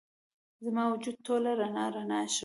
زما وجود ټوله رڼا، رڼا شي